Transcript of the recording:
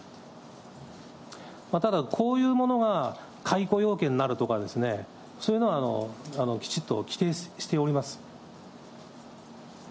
ただ、こういうものが解雇要件になるとか、そういうのはきちっと規定しております。